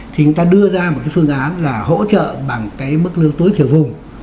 thì chúng ta đưa ra một cái phương án là hỗ trợ bằng cái mức lương tối thiểu vùng